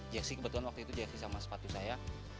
jeksi kebetulan waktu itu jeksi sama sepatu saya